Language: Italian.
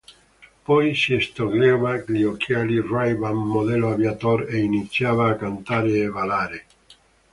Poi si toglieva gli occhiali Ray-Ban modello Aviator e iniziava a cantare e ballare.